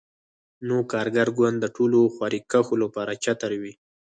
نوی کارګر ګوند د ټولو خواریکښو لپاره چتر وي.